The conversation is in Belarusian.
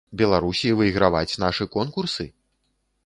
Беларусі выйграваць нашы конкурсы?